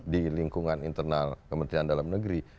di lingkungan internal kementerian dalam negeri